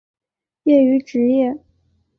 业余职业